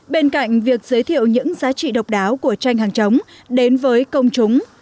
bên cạnh việc giới thiệu những giá trị độc đáo của tranh hàng chống đến với công chúng